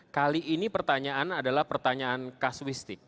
kali ini pertanyaan adalah pertanyaan kasuistik